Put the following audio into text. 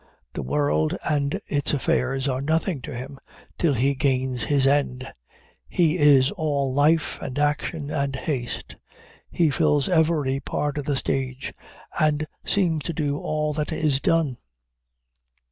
The world and its affairs are nothing to him, till he gains his end. He is all life, and action, and haste, he fills every part of the stage, and seems to do all that is done.